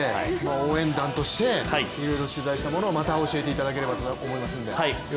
応援団としていろいろ取材したものをまた教えていただければ。